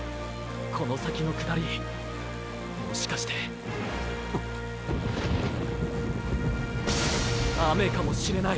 この先の下りもしかしてーー。っ！！雨かもしれない！